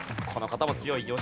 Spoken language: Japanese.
この方も強い。